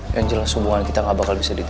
yang jelas hubungan kita gak bakal bisa diterima